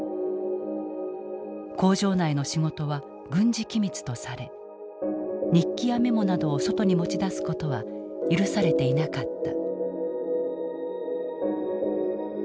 工場内の仕事は軍事機密とされ日記やメモなどを外に持ち出すことは許されていなかった。